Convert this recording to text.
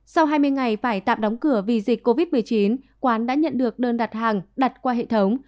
sau hai mươi ngày phải tạm đóng cửa vì dịch covid một mươi chín quán đã nhận được đơn đặt hàng đặt qua hệ thống